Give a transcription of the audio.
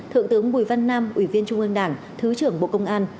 thượng tướng bùi văn nam ủy viên trung ương đảng thứ trưởng bộ công an